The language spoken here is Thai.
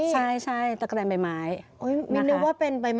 ใช่ตั๊กกะแทนใบไม้